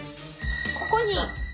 ここに。